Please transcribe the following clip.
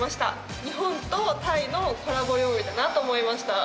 「日本とタイのコラボ料理だなと思いました」